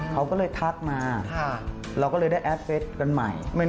เขาก็เลยทักมาเราก็เลยได้แอดเฟสกันใหม่